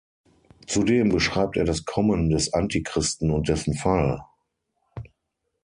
Zudem beschreibt er das Kommen des Antichristen und dessen Fall.